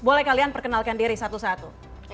boleh kalian perkenalkan diri satu satu